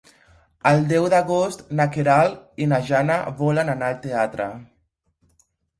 El deu d'agost na Queralt i na Jana volen anar al teatre.